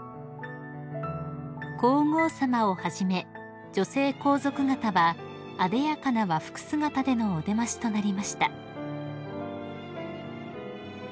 ［皇后さまをはじめ女性皇族方はあでやかな和服姿でのお出ましとなりました］